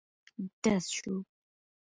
ډز شو.